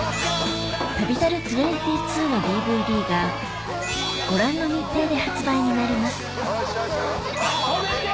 『旅猿２２』のＤＶＤがご覧の日程で発売になります止めて！